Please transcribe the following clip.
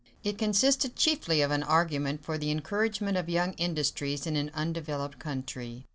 It consisted chiefly of an argument for the encouragement of young industries in an undeveloped country.